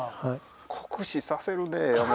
酷使させるね山本。